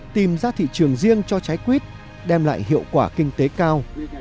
tìm ra thị trường riêng cho trái quýt đem lại hiệu quả kinh tế cao